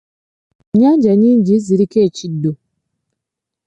Ennyanja nnyingi ziriko ekiddo.